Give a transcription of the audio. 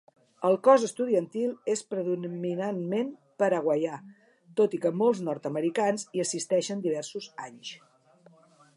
El cos estudiantil és predominantment paraguaià, tot i que molts nord-americans hi assisteixen diversos anys.